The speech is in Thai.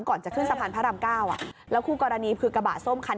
ก่อนจะขึ้นสะพานพระรามเก้าอ่ะแล้วคู่กรณีคือกระบะส้มคัน